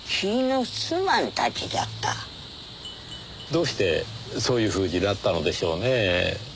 どうしてそういうふうになったのでしょうねぇ？